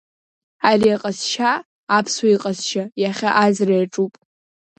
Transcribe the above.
Ари аҟазшьа аԥсуа иҟазшьа иахьа аӡра иаҿуп.